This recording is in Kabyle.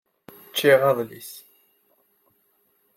Ččiɣ adlis.